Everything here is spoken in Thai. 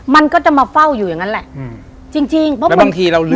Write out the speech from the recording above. มันก็จะมาเฝ้าอยู่อย่างนั้นแหละอืมจริงจริงเพราะบางทีเราลืม